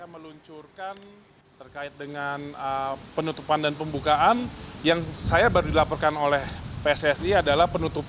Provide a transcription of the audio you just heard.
mas kalau pembukaan yang ingin di jakarta ini harus dikenal